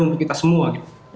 untuk kita semua